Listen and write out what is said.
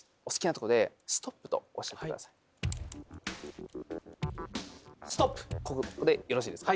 お好きなとこでストップとおっしゃってください。